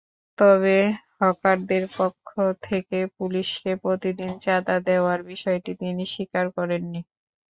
তবে হকারদের পক্ষ থেকে পুলিশকে প্রতিদিন চাঁদা দেওয়ার বিষয়টি তিনি স্বীকার করেননি।